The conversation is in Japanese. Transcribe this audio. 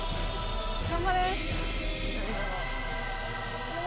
頑張れ。